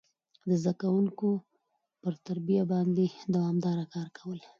د زده کوونکو پر تربيه باندي دوامداره کار کول،